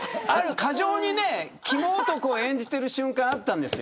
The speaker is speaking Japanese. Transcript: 過剰にキモ男を演じている瞬間があったんです。